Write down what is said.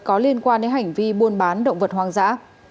có liên quan đến hành vi buôn bán động vật hoang dã